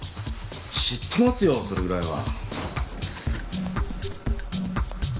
知ってますよそれぐらいは。